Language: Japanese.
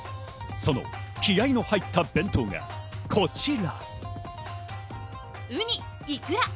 その気合いの入った弁当がこちら。